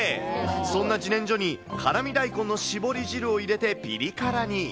そんなじねんじょに、辛み大根の搾り汁を入れてぴり辛に。